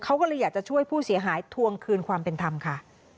เขาก็เลยอยากจะช่วยผู้เสียหายทวงคืนความเป็นธรรมค่ะ